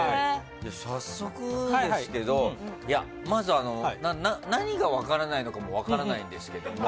早速ですが、まず何が分からないのかも分からないんですが。